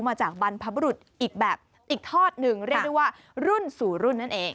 มาจากบรรพบรุษอีกแบบอีกทอดหนึ่งเรียกได้ว่ารุ่นสู่รุ่นนั่นเอง